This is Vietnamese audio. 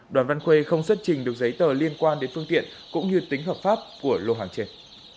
đoàn văn khuê không xuất trình được giấy tờ liên quan đến phương tiện cũng như tính hợp pháp của lô hàng trên